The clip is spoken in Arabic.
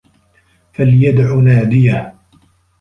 فَليَدعُ نادِيَهُ